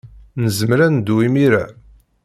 Nezmer ad neddu imir-a.